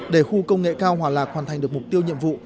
để khu công nghệ cao hòa lạc hoàn thành được mục tiêu nhiệm vụ